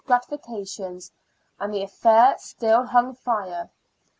77 gratifications, and the affair still hung fire.